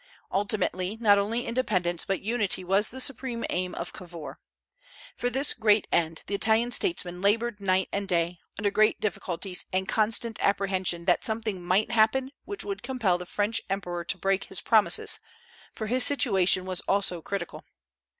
Ultimately, not only independence but unity was the supreme aim of Cavour. For this great end the Italian statesman labored night and day, under great difficulties, and constant apprehension that something might happen which would compel the French emperor to break his promises, for his situation was also critical.